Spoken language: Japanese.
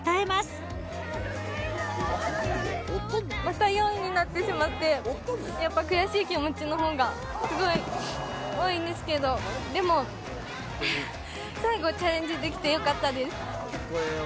また４位になってしまって、やっぱ悔しい気持ちのほうがすごい多いんですけど、でも、最後チャレンジできてよかったです。